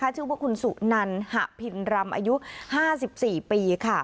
ชื่อว่าคุณสุนันหะพินรำอายุ๕๔ปี